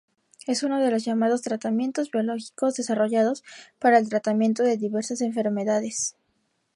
Es uno de los llamados tratamientos biológicos, desarrollados para el tratamiento de diversas enfermedades.